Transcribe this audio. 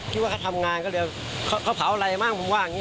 คิดว่าเขาทำงานก็เลยว่าเขาเผาอะไรบ้างผมว่าง